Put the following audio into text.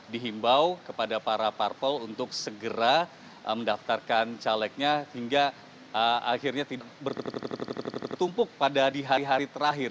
dihimbau kepada para parpol untuk segera mendaftarkan calegnya hingga akhirnya tidak bertumpuk pada di hari hari terakhir